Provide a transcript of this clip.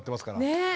ねえ。